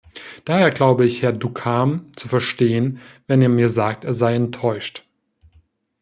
Daher glaube ich Herrn Ducarme zu verstehen, wenn er mir sagt, er sei enttäuscht.